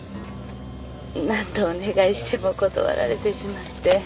何度お願いしても断られてしまって。